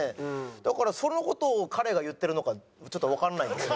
だからその事を彼が言ってるのかちょっとわかんないんですよ。